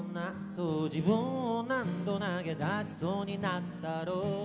「そう自分を何度投げ出しそうになったろう？」